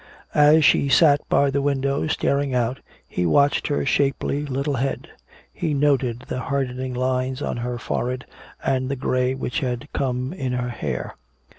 As she sat by the window staring out, he watched her shapely little head; he noted the hardening lines on her forehead and the gray which had come in her hair.